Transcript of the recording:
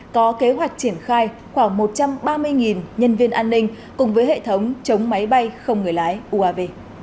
có kế hoạch triển khai khoảng một trăm ba mươi nhân viên an ninh cùng với hệ thống chống máy bay không người lái uav